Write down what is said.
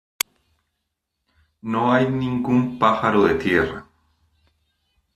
No hay ningún pájaro de tierra.